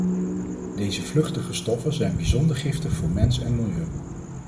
Deze vluchtige stoffen zijn bijzonder giftig voor mens en milieu.